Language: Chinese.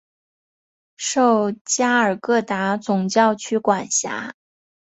受加尔各答总教区管辖。